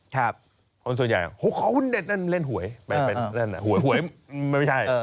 คนส่วนใหญ่โอ้โฮหุ้นเด็ดเล่นหวยหวยไม่ใช่